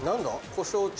「故障中」。